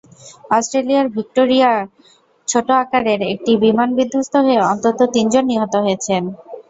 অস্ট্রেলিয়ার ভিক্টোরিয়ায় ছোট আকারের একটি বিমান বিধ্বস্ত হয়ে অন্তত তিনজন নিহত হয়েছেন।